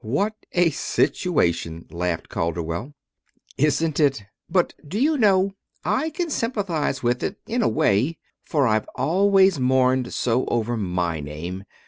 "What a situation!" laughed Calderwell. "Isn't it? But, do you know, I can sympathize with it, in a way, for I've always mourned so over my name.